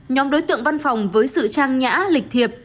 nhóm đối tượng văn phòng với sự trang nhã lịch thiệp